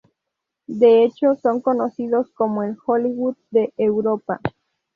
De hecho son conocidos como el "Hollywood de Europa".